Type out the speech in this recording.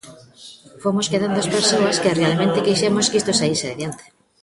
Fomos quedando as persoas que realmente quixemos que isto saíse adiante.